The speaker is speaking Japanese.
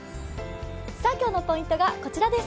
今日のポイントがこちらです。